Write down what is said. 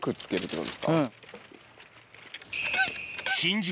うん。